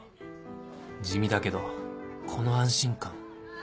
地味だけどこの安心感